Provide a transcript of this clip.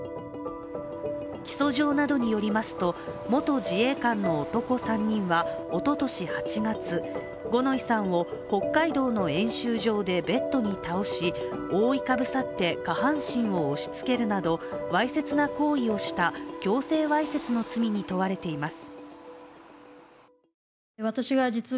起訴状などによりますと元自衛官の男３人は、おととし８月五ノ井さんを北海道の演習場でベッドに倒し、覆いかぶさって、下半身を押しつけるなど、わいせつな行為をした強制わいせつの罪に問われています。